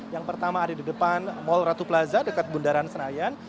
yang pertama ada di depan mall ratu plaza dekat bundaran senayan